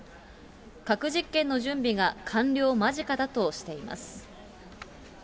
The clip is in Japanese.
核実験の準備が完了間近だとしています。